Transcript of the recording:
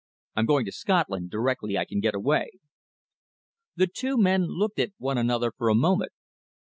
"I'm going to Scotland directly I can get away." The two men looked at one another for a moment.